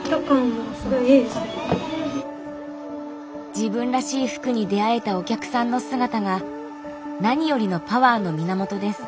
自分らしい服に出会えたお客さんの姿が何よりのパワーの源です。